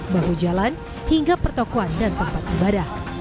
bahu jalan hingga pertokoan dan tempat ibadah